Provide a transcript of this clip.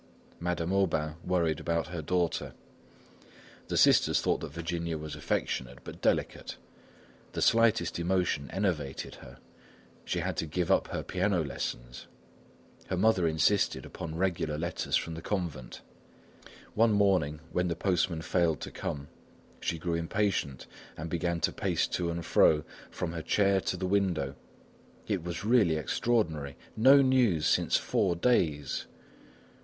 Madame Aubain worried about her daughter. The sisters thought that Virginia was affectionate but delicate. The slightest emotion enervated her. She had to give up her piano lessons. Her mother insisted upon regular letters from the convent. One morning, when the postman failed to come, she grew impatient and began to pace to and fro, from her chair to the window. It was really extraordinary! No news since four days!